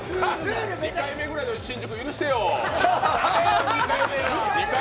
２回目の新宿許してよ。